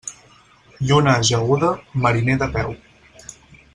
Lluna ajaguda, mariner de peu.